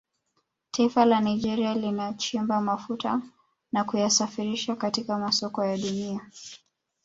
Taifa la Nigeria linachimba mafuta na kuyasafirisha katika masoko ya Dunia